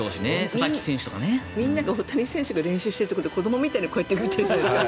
みんなが大谷選手が練習している時子どもみたいに見てるじゃないですか。